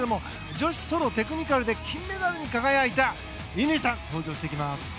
女子ソロテクニカルで金メダルに輝いた乾さんが登場します。